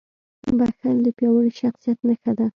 • بښل د پیاوړي شخصیت نښه ده.